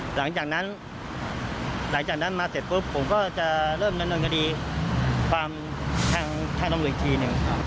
หลังจากนั้นหลังจากนั้นมาเสร็จปุ๊บผมก็จะเริ่มดำเนินคดีความทางตำรวจอีกทีหนึ่งครับ